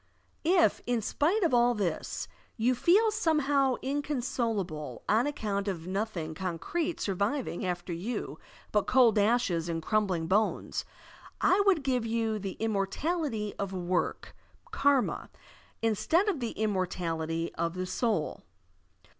If, in spite of all this, you feel somehow incon solable on account of nothing concrete surviving after you but cold ashes and crumbling bones, I would give you the immortality of work (karma) instead of the immortality of the soul.